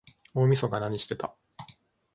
大晦日なにしてた？